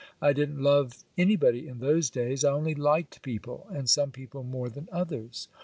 I didn't love anybody in those days, I only liked people, and some people more than others.